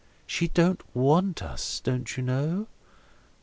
She don't want us, don't you know?"